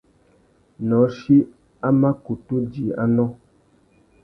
Nôchï a mà kutu djï anô.